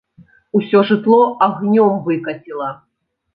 Усё жытло агнём выкаціла.